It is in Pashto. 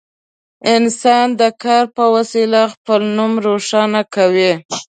انسان د کار په وسیله خپل نوم روښانه کوي.